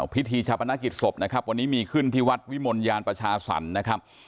พิธีชาปนกิจศพนะครับวันนี้มีขึ้นที่วัดวิมลยานประชาสรรค์นะครับ